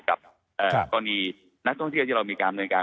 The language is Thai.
กับต้องเชื่อกับที่เรามีการบริการ